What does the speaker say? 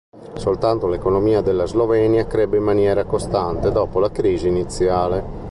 Soltanto l'economia della Slovenia crebbe in maniera costante dopo la crisi iniziale.